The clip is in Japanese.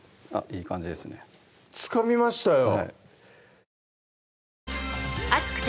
いい感じですねつかみましたよ